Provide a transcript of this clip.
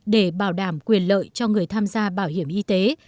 để bảo đảm quyền lợi cho người tham gia bảo hiểm y tế